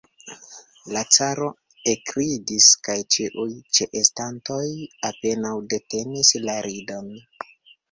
La caro ekridis, kaj ĉiuj ĉeestantoj apenaŭ detenis la ridon.